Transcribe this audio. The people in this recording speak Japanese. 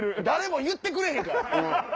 誰も言ってくれへんから。